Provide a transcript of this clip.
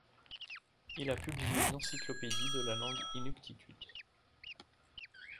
Il a publié une encyclopédie de la langue inuktitut.